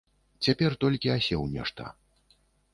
Цяпер толькі асеў нешта.